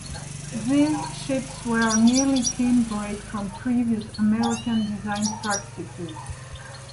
These ships were a nearly clean break from previous American design practices.